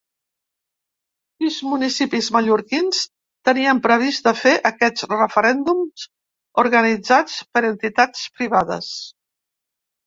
Sis municipis mallorquins tenien previst de fer aquests referèndums organitzats per entitats privades.